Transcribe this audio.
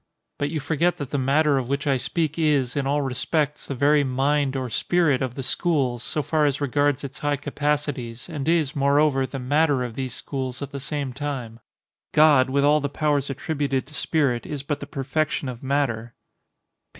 But you forget that the matter of which I speak is, in all respects, the very "mind" or "spirit" of the schools, so far as regards its high capacities, and is, moreover, the "matter" of these schools at the same time. God, with all the powers attributed to spirit, is but the perfection of matter.